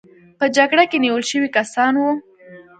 په جګړه کې نیول شوي کسان وو.